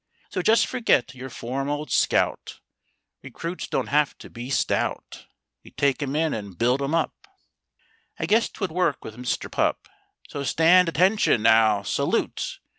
So just forget your form, old scout; Recruits don't have to be stout; We take 'em in and build 'em up— I guess 'twould work with Mister Pup— So stand ATTENTION, now—Salute!